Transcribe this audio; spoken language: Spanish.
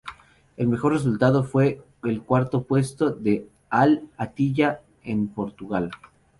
El mejor resultado fue el cuarto puesto de Al-Attiyah en Portugal.